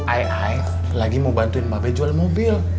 ai ai lagi mau bantuin mbak be jual mobil